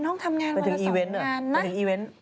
น้องทำงานวันละ๒งานนะ